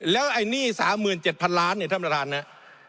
แล้วไอ้หนี้๓๗๐๐ล้านเนี่ยท่านประธานนะ